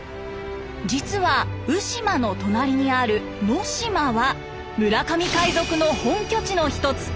実は鵜島の隣にある能島は村上海賊の本拠地の一つ。